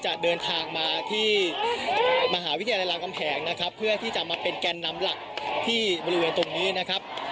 จะเดินทางมาที่มหาวิทยาลัยรามกำแหงนะครับเพื่อที่จะมาเป็นแกนนำหลักที่บริเวณตรงนี้นะครับ